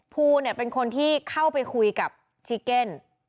ภูเนี่ยเป็นคนที่เข้าไปคุยกับชิเก็น